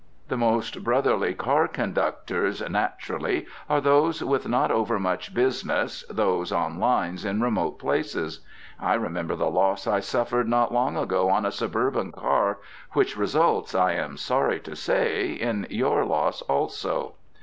The most brotherly car conductors, naturally, are those with not over much business, those on lines in remote places. I remember the loss I suffered not long ago on a suburban car, which results, I am sorry to say, in your loss also.